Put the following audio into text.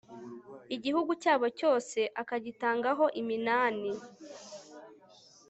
igihugu cyabo cyose akagitangaho iminani